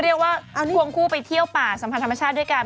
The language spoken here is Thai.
เรียกว่าควงคู่ไปเที่ยวป่าสัมพันธ์ธรรมชาติด้วยกัน